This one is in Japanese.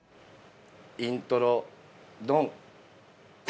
◆イントロ、ドン！